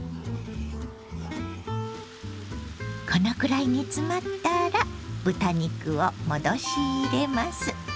このくらい煮詰まったら豚肉を戻し入れます。